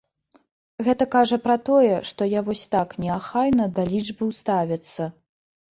Гэта кажа пра тое, што я вось так неахайна да лічбаў ставяцца.